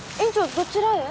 どちらへ？